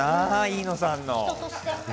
飯野さんの。